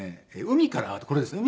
海からこれですね。